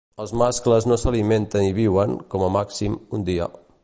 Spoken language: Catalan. Els mascles no s'alimenten i viuen, com a màxim, un dia.